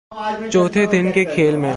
چوتھے دن کے کھیل میں